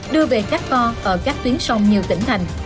đưa về các kho ở các tuyến sông nhiều tỉnh thành